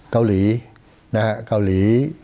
เกาหลีนะฮะเกาหลี